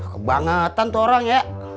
kebangetan tuh orang ya